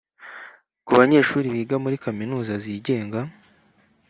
Ku banyeshuri biga muri kaminuza zigenga